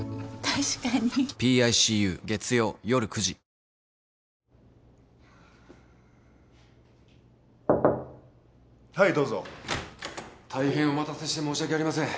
大変お待たせして申し訳ありません。